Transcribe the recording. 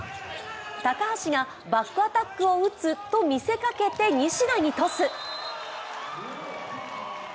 高橋がバックアタックを打つと見せかけて西田にトス。